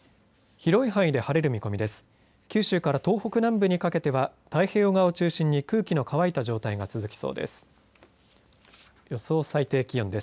広い範囲で晴れる見込みです。